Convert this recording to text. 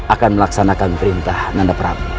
akan melaksanakan perintah nana prabu